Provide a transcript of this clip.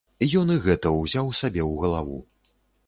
Ён і гэта ўзяў сабе ў галаву.